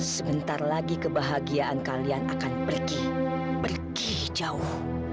sebentar lagi kebahagiaan kalian akan pergi berkih jauh